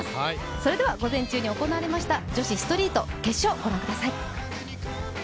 それでは午前中に行われました女子ストレート決勝ご覧ください。